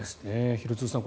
廣津留さん